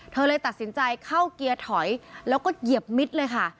เลยตัดสินใจเข้าเกียร์ถอยแล้วก็เหยียบมิดเลยค่ะ